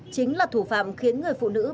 chính là thủ phạm khiến người phụ nữ